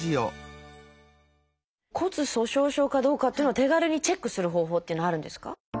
骨粗しょう症かどうかっていうのは手軽にチェックする方法っていうのはあるんですか？